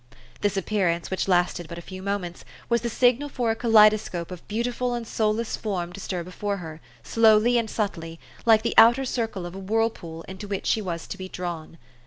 This appearance, which lasted but a few moments, was the signal for a kaleidoscope of beautiful and soulless form to stir before her, slowly and subtly, like the outer circle of a whirlpool into which she was to be drawn.